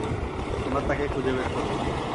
আমরা তাকে খুঁজে বের করব।